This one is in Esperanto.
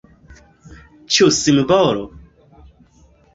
Ĉu simbolo?